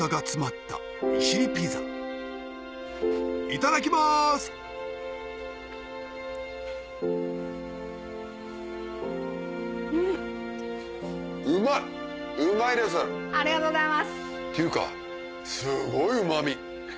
っていうかすごいうま味。